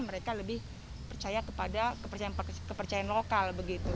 mereka lebih percaya kepada kepercayaan lokal begitu